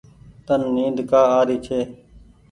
تن نيد ڪآ آري ڇي ۔